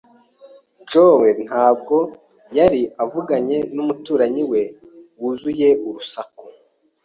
Joe ntabwo yari avuganye numuturanyi we wuzuye urusaku.